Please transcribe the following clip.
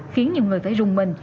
khiến nhiều người phải rung mình